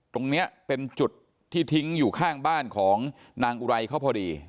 ตรงนี้เป็นจุดที่ทิ้งอยู่ข้างบ้านของนางอุไรเขาพอดี